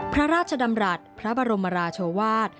พระราชดำรัฐพระบรมราชวาส